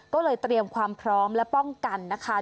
ก็เลยเตรียมความพร้อมและป้องกันนะคะ